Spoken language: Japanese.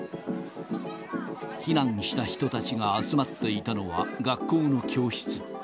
避難した人たちが集まっていたのは学校の教室。